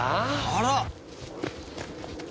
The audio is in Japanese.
あら！